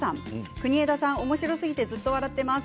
国枝さん、おもしろすぎてずっと笑っています。